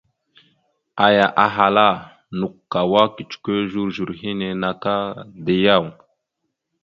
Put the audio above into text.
Aya ahala: « Nakw kawa kecəkwe zozor henne naka da yaw? ».